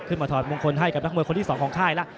ขึ้นมาถอดมงคลให้กับนักมวยคนดีสองของค่ายแล้ว